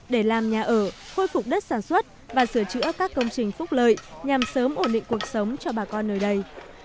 để làm nhà ở khôi phục đất sản xuất và sửa chữa các công trình phúc lợi nhằm sớm ổn định cuộc sống cho bà con nơi đây